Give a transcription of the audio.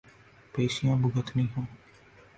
پیشیاں بھگتنی ہوں۔